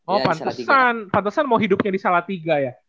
oh pantesan mau hidupnya di salatiga ya